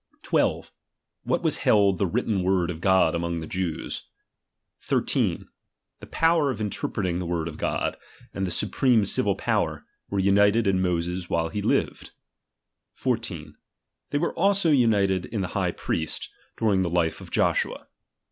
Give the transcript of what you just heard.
12. What was held the written word of God among the Jews. 13. The power of interpreting the word of God, and the supreme civil power, were united in Moses while he lived. 14'. They were also united in the high priest, during the life of Joshua.